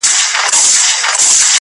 قربان تر خپله کوره، چي خبره سي په زوره.